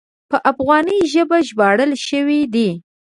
په افغاني ژبه ژباړل شوی دی.